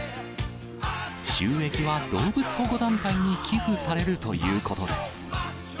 収益は動物保護団体に寄付されるということです。